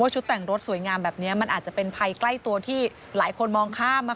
ชุดแต่งรถสวยงามแบบนี้มันอาจจะเป็นภัยใกล้ตัวที่หลายคนมองข้าม